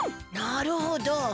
なるほど。